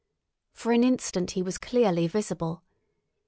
For an instant he was clearly visible.